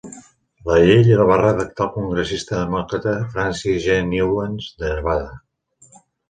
La llei la va redactar el congressista demòcrata Francis G. Newlands de Nevada.